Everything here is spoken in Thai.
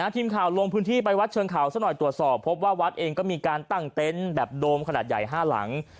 ทีมข่าวลงพื้นที่ไปวัดเชิงเขาซะหน่อยตรวจสอบพบว่าวัดเองก็มีการตั้งเต็นต์แบบโดมขนาดใหญ่๕หลัง